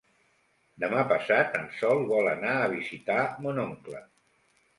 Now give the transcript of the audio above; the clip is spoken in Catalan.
Demà passat en Sol vol anar a visitar mon oncle.